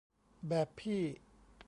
แบบพี่